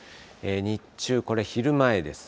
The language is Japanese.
日中、これ昼前です。